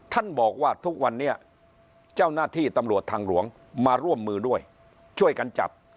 ท่านบอกว่าทุกวันนี้เจ้าหน้าที่ตำรวจทางหลวงมาร่วมมือด้วยช่วยกันจับ